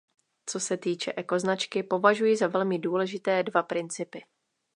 Co se týče ekoznačky, považuji za velmi důležité dva principy.